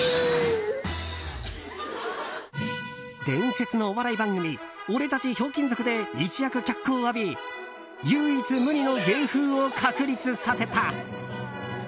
伝説のお笑い番組「オレたちひょうきん族」で一躍、脚光を浴び唯一無二の芸風を確立させた。